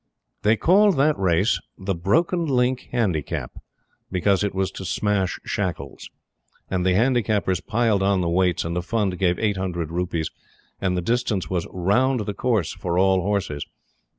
They called that race The Broken Link Handicap, because it was to smash Shackles; and the Handicappers piled on the weights, and the Fund gave eight hundred rupees, and the distance was "round the course for all horses."